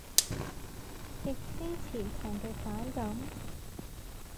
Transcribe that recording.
極支持同極反感